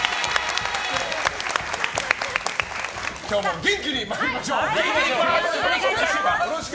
今日も元気に参りましょう。